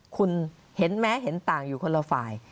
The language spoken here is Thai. คุณเห็นแม้เห็นต่างอยู่คนละฝ่าย